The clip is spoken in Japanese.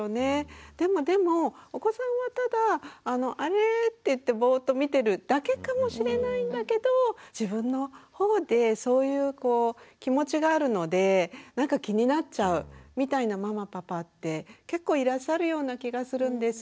でもでもお子さんはただ「あれ？」っていってぼっと見てるだけかもしれないんだけど自分のほうでそういう気持ちがあるのでなんか気になっちゃうみたいなママパパって結構いらっしゃるような気がするんです。